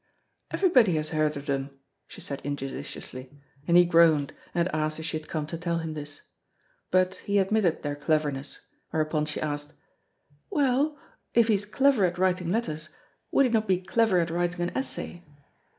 "Everybody has heard of them," she said injudiciously, and he groaned and asked if she had come to tell him this. But he admitted their cleverness, whereupon she asked, "Well, if he is clever at writing letters, would he not be clever at writing an essay?"